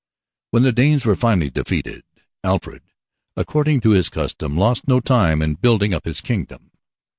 When the Danes were finally defeated, Alfred, according to his custom, lost no time in building up his kingdom.